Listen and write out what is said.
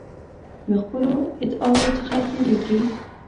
له خپلو ادعاوو څخه تیریږي.